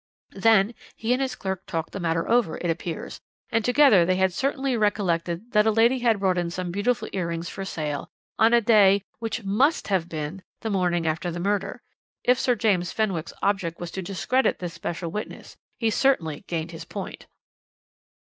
"Then he and his clerk talked the matter over, it appears, and together they had certainly recollected that a lady had brought some beautiful earrings for sale on a day which must have been the very morning after the murder. If Sir James Fenwick's object was to discredit this special witness, he certainly gained his point.